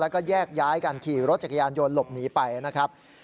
แล้วก็แยกย้ายกันขี่รถจักรยานยนต์หลบหนีไปนะครับ